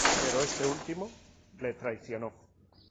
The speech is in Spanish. Pero este último, le traicionó.